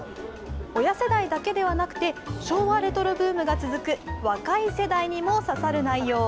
親世代だけではなくて、昭和レトロブームが続く若い世代にもささる内容。